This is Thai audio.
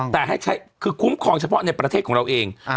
แต่คิดคุ้มครองเฉพาะในประเทศของเราเอง